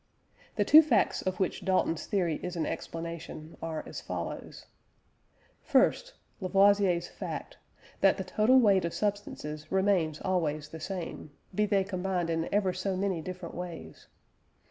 The two facts of which Dalton's theory is an explanation are as follows. First (Lavoisier's fact), that the total weight of substances remains always the same, be they combined in ever so many different ways.